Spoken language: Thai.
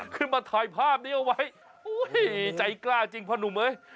ขึ้นมาถ่ายภาพนี้เอาไว้ใจกล้าจริงพ่อหนุ่มเอ้ย